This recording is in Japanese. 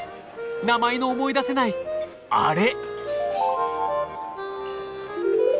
名前の思い出せない「アレ」！